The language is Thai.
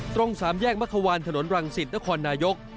ตรงสามแยกมควรฐานหนล์รังสิตตะครนายก